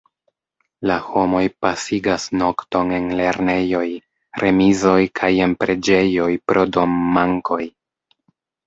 La homoj pasigas nokton en lernejoj, remizoj kaj en preĝejoj pro dom-mankoj.